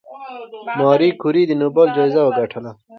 ماري کوري د نوبل جایزه وګټله؟